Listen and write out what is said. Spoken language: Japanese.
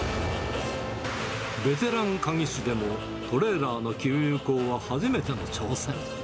ベテラン鍵師でもトレーラーの給油口は初めての挑戦。